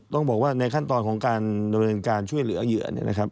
ต้องบอกว่าในขั้นตอนของการดำเนินการช่วยเหลือเหยื่อเนี่ยนะครับ